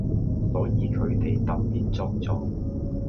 所以佢哋特別作狀⠀